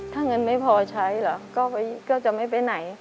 ถ้าเงินไม่พอใช้เหรอก็จะไม่ไปไหน